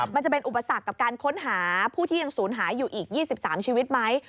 มันจะเป็นอุปสรรคกับการค้นหาผู้ที่ยังศูนย์หายอยู่อีก๒๓ชีวิตไหม